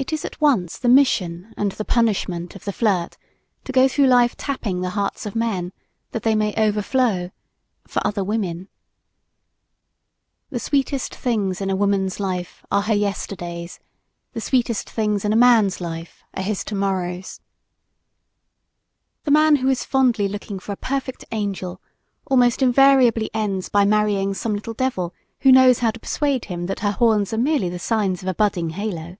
It is at once the mission and the punishment of the flirt to go through life tapping the hearts of men, that they may overflow for other women. The sweetest things in a woman's life are her "yesterdays" the sweetest things in a man's life are his "tomorrows." The man who is fondly looking for a perfect angel almost invariably ends by marrying some little devil who knows how to persuade him that her horns are merely the signs of a budding halo.